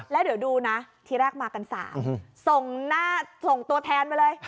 แล้วเดี๋ยวดูนะทีแรกมากัน๓ส่งหน้าส่งตัวแทนไปเลย